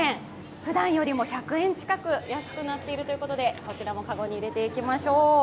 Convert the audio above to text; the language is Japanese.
ふだんよりも１００円近く安くなっているということで、こちらも籠に入れていきましょう。